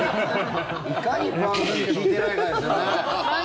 いかに番組聞いてないかですよね。